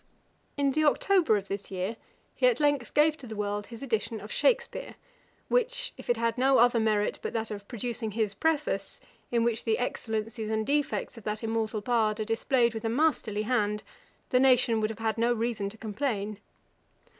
] In the October of this year he at length gave to the world his edition of Shakspeare, which, if it had no other merit but that of producing his Preface, in which the excellencies and defects of that immortal bard are displayed with a masterly hand, the nation would have had no reason to complain.